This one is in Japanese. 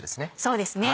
そうですね。